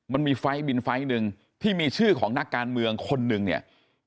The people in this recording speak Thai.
มันมีไฟล์บินไฟล์หนึ่งที่มีชื่อของนักการเมืองคนนึงเนี่ย